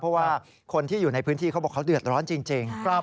เพราะว่าคนที่อยู่ในพื้นที่เขาบอกเขาเดือดร้อนจริง